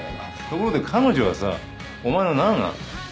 ところで彼女はさお前の何なの？